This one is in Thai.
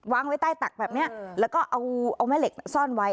ไว้ใต้ตักแบบนี้แล้วก็เอาแม่เหล็กซ่อนไว้